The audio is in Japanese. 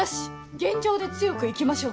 現状で強く生きましょう。